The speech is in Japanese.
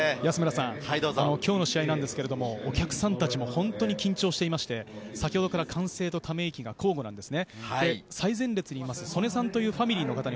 今日の試合、お客さんたちも本当に緊張していて、先ほどから歓声と、ため息が交互です。